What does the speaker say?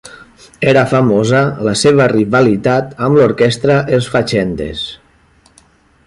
Era famosa la seva rivalitat amb l'orquestra Els Fatxendes.